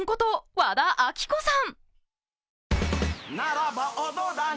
和田アキ子さん。